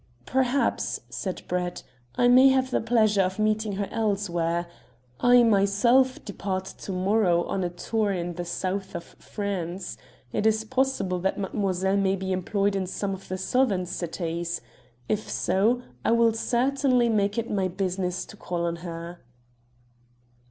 "Perhaps," said Brett, "I may have the pleasure of meeting her elsewhere. I myself depart to morrow on a tour in the South of France. It is possible that mademoiselle may be employed in some of the southern cities. If so I will certainly make it my business to call on her."